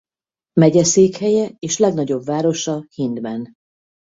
Megyeszékhelye és legnagyobb városa Hindman.